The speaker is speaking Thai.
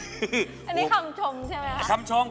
อันนี้คำชมใช่ไหมคะ